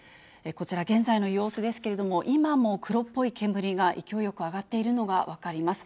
こちら、現在の様子ですけれども、今も黒っぽい煙が勢いよく上がっているのが分かります。